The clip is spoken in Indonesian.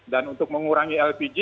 dan untuk mengurangi lpg